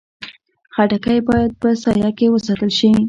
خټکی باید په سایه کې وساتل شي.